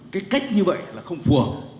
cái cách như vậy là không phù hợp